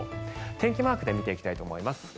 天気マークで見ていきたいと思います。